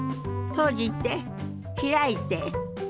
閉じて開いて。